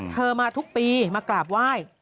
มาทุกปีมากราบไหว้